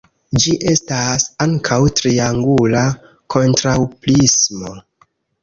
Ĝi estas ankaŭ triangula kontraŭprismo.